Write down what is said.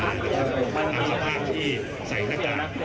อาจจะเป็นสภาพที่ใส่หน้ากาก